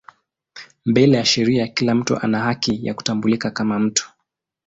Mbele ya sheria kila mtu ana haki ya kutambulika kama mtu.